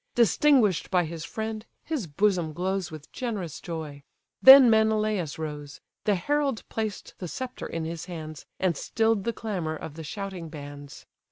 Distinguish'd by his friend, his bosom glows With generous joy: then Menelaus rose; The herald placed the sceptre in his hands, And still'd the clamour of the shouting bands.